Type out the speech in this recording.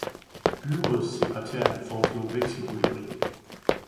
Byrådssekretæren foretog vekselrytteri